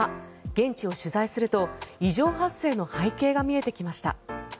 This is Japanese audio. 現地を取材すると異常発生の背景が見えてきました。